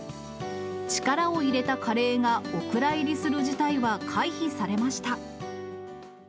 力を入れたカレーがお蔵入りする事態は回避されました。